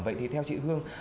vậy thì theo chị hương